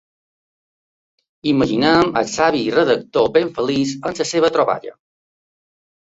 Imaginem el savi redactor ben feliç amb la seva troballa.